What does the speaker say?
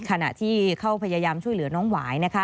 ขณะที่เขาพยายามช่วยเหลือน้องหวายนะคะ